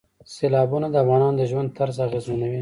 سیلابونه د افغانانو د ژوند طرز اغېزمنوي.